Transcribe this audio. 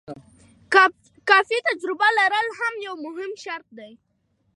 کافي تجربه لرل هم یو مهم شرط دی.